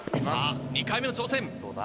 さぁ２回目の挑戦。